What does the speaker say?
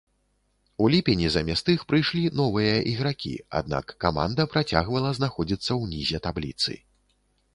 У ліпені замест іх прыйшлі новыя ігракі, аднак каманда працягвала знаходзіцца ўнізе табліцы.